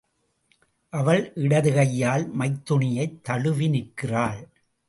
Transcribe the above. அவள் இடது கையால் மைத்துனியைத் தழுவி நிற்கிறாள்.